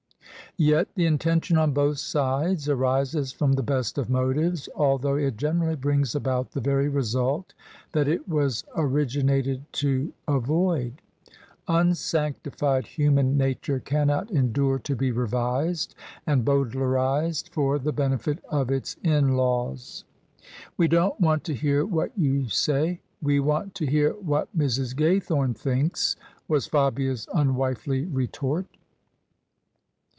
Yet the intention on both sides arises from the best of motives, although it generally brings about the very result that it was originated to avoid. Unsanctified human nature cannot endure to be revised and Bowdlerised for the benefit of its in laws. "We don't want to hear what you say; we want to hear what Mrs. Gaythome thinks," was Fabia's unwifely retort.